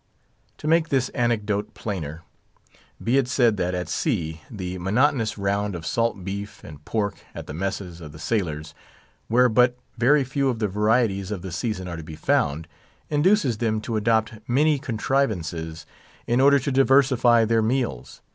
To make this anecdote plainer, be it said that, at sea, the monotonous round of salt beef and pork at the messes of the sailors—where but very few of the varieties of the season are to be found—induces them to adopt many contrivances in order to diversify their meals.